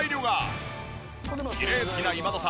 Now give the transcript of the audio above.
きれい好きな今田さん